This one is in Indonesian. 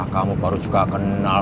kamu baru juga kenal